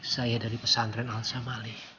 saya dari pesantren al sabalik